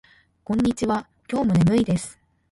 こんにちは。今日も眠いです。